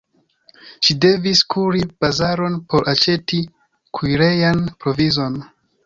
Ŝi devis kuri bazaron por aĉeti kuirejan provizon.